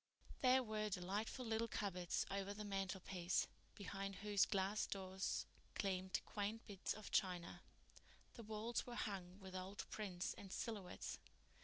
There were delightful little cupboards over the mantelpiece, behind whose glass doors gleamed quaint bits of china. The walls were hung with old prints and silhouettes.